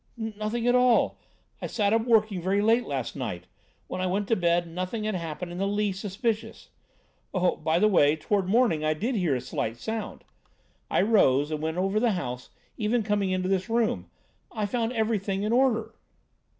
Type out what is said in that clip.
"Nothing at all. I sat up working very late last night. When I went to bed, nothing had happened in the least suspicious. Oh, by the way, toward morning I did hear a slight noise. I rose and went over the house, even coming into this room. I found everything in order."